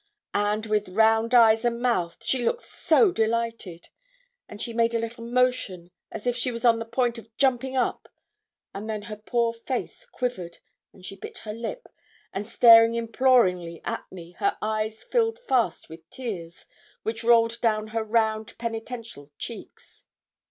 and, with round eyes and mouth, she looked so delighted; and she made a little motion, as if she was on the point of jumping up; and then her poor face quivered, and she bit her lip; and staring imploringly at me, her eyes filled fast with tears, which rolled down her round penitential cheeks.